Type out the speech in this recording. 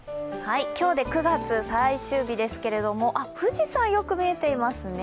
今日で９月最終日ですけど、富士山、よく見えていますね。